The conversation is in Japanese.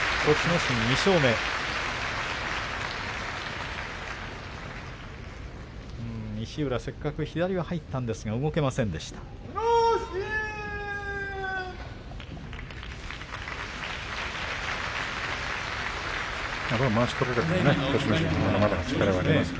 石浦せっかく左が入ったんですが動けませんでした。